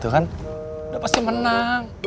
tapi enggak makanya banyak